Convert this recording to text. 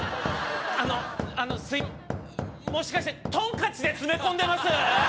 あのあのすいもしかしてトンカチで詰め込んでます？